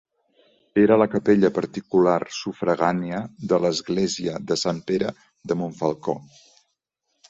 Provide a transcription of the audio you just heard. Era la capella particular sufragània de l'església de Sant Pere de Montfalcó.